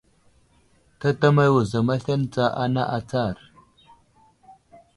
Tatamay wuzam aslane tsa ana atsar !